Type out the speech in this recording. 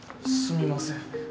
すみません。